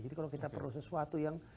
jadi kalau kita perlu sesuatu yang